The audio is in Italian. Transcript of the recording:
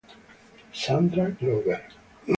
Sandra Glover